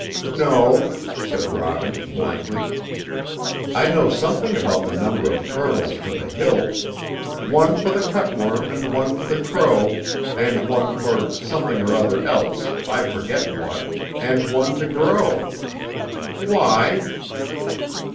"No," said Robin, blankly. "I know something about the number of kernels to the hill, 'one for the cutworm, and one for the crow, and one for something or other else, I forget what, and one to grow.' Why?"